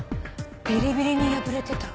ビリビリに破れてた。